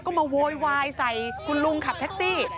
ก็มาโวยวายใส่คุณลุงขับแท็กซี่